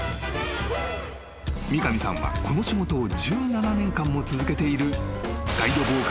［三上さんはこの仕事を１７年間も続けている］